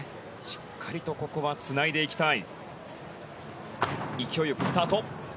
しっかりとここはつないでいきたい。